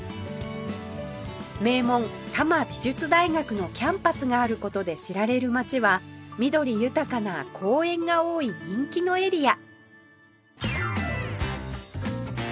名門多摩美術大学のキャンパスがある事で知られる街は緑豊かな公園が多い人気のエリア